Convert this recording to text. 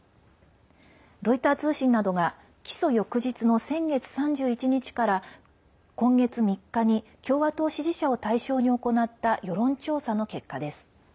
ロイター通信などが起訴翌日の先月３１日から今月３日に共和党支持者を対象に行った世論調査の結果です。